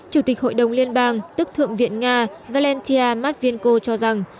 chủ tịch hội đồng liên bang tức thượng viện nga valentia matvienko cho rằng